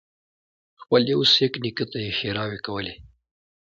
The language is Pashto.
خپل يوه سېک نیکه ته یې ښېراوې کولې.